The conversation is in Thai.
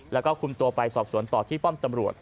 แล้วก็คุมตัวไปสอบสวนต่อที่ป้อมตำรวจ